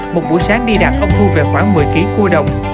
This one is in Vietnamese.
một buổi sáng đi đặt ốc thu về khoảng một mươi kg cua đồng